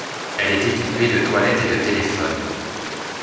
Elle est équipée de toilettes et de téléphones.